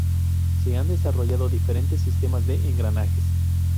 Se han desarrollado diferentes sistemas de engranajes.